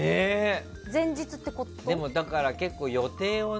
前日ってことですよね。